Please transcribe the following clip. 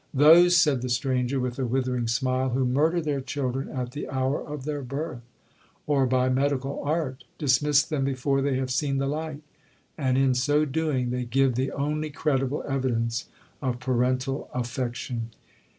—'Those,' said the stranger, with a withering smile, 'who murder their children at the hour of their birth, or, by medical art, dismiss them before they have seen the light; and, in so doing, they give the only credible evidence of parental affection.'